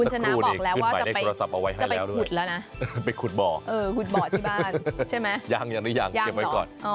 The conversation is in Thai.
จะไปขุดแล้วนะเออขุดบ่อที่บ้านใช่ไหมยังหรอ